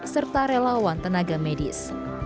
serta relawan tenaga medis